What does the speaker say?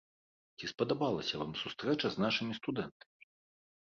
Ці спадабалася вам сустрэча з нашымі студэнтамі?